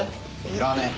いらねえ。